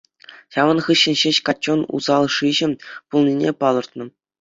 Ҫавӑн хыҫҫӑн ҫеҫ каччӑн усал шыҫӑ пулнине палӑртнӑ.